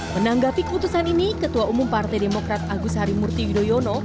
menanggapi keputusan ini ketua umum partai demokrat agus harimurti yudhoyono